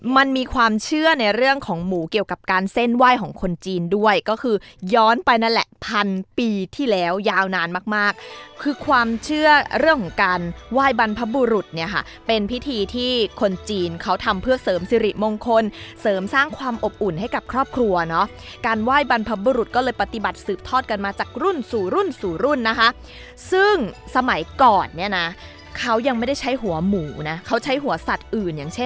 มันมีความเชื่อในเรื่องของหมูเกี่ยวกับการเส้นไหว้ของคนจีนด้วยก็คือย้อนไปนั่นแหละพันปีที่แล้วยาวนานมากคือความเชื่อเรื่องของการไหว้บรรพบุรุษเนี่ยค่ะเป็นพิธีที่คนจีนเขาทำเพื่อเสริมสิริมงคลเสริมสร้างความอบอุ่นให้กับครอบครัวเนาะการไหว้บรรพบุรุษก็เลยปฏิบัติสืบทอดกันมาจากรุ